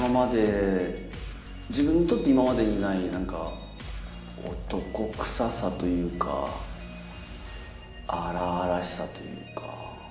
自分にとって今までにない何か男くささというか荒々しさというか。